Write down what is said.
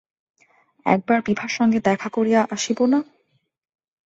একবার বিভার সঙ্গে দেখা করিয়া আসিব না?